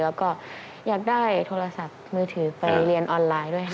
แล้วก็อยากได้โทรศัพท์มือถือไปเรียนออนไลน์ด้วยค่ะ